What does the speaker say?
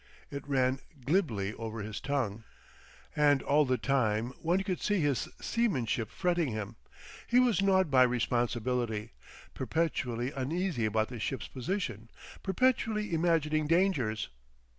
It ran glibly over his tongue. And all the time one could see his seamanship fretting him, he was gnawed by responsibility, perpetually uneasy about the ship's position, perpetually imagining dangers.